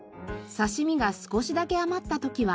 刺し身が少しだけ余った時は。